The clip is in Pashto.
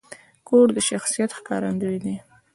کور د شخصیت ښکارندوی دی.